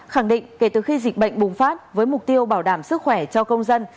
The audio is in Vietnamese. khẳng định kể từ khi dịch bệnh bùng phát với mục tiêu bảo đảm sức khỏe cho công dân